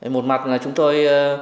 một mặt là chúng tôi